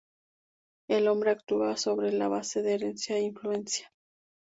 El hombre actúa sobre la base de herencia e influencia.